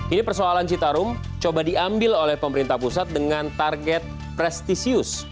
ini persoalan citarum coba diambil oleh pemerintah pusat dengan target prestisius